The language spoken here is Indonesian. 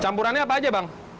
campurannya apa aja bang